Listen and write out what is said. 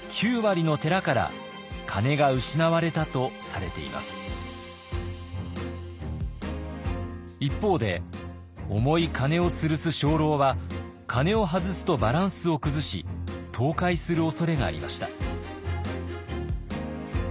実に一方で重い鐘をつるす鐘楼は鐘を外すとバランスを崩し倒壊するおそれがありました。